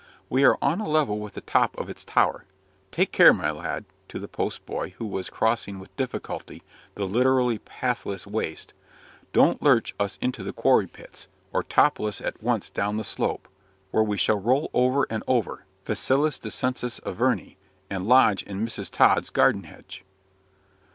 We are on a level with the top of its tower. Take care, my lad," to the post boy, who was crossing with difficulty the literally "pathless waste." "Don't lurch us into the quarry pits, or topple us at once down the slope, where we shall roll over and over facilis descensus Averni and lodge in Mrs. Tod's garden hedge."